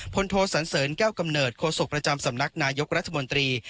โทสันเสริญแก้วกำเนิดโศกประจำสำนักนายกรัฐมนตรี